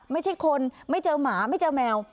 ไม่ใช่คนไม่เจอหมาไม่เจอแมว